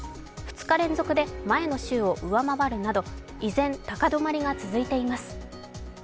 ２日連続で前の週を上回るなど依然高止まりが続いています。